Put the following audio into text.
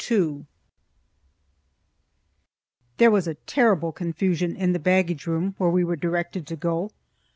There was a terrible confusion in the baggage room where we were directed to go.